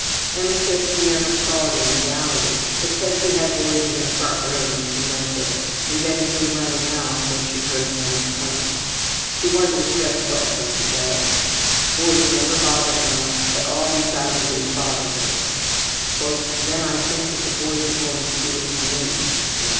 '' Emma says she never saw it in reality, but Tessie had boys in their front room when she went there, and then came running out when she heard Emma coming. She wonders just what Tessie does. Boys never bother Emma, but all these ideas bother her. ``Then I think that the boys are going to do it to me.''